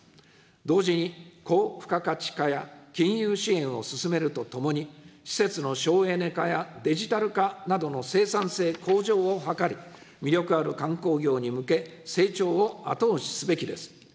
同時に、高付加価値化や、金融支援を進めるとともに、施設の省エネ化やデジタル化などの生産性向上を図り、魅力ある観光業に向け成長を後押しすべきです。